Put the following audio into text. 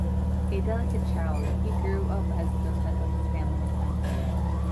A delicate child, he grew up as the pet of his family and friends.